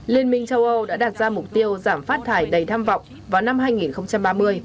liên minh châu âu đã đạt ra mục tiêu giảm phát thải đầy tham vọng vào năm hai nghìn ba mươi